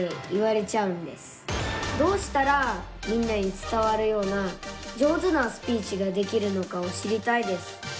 どうしたらみんなに伝わるような上手なスピーチができるのかを知りたいです。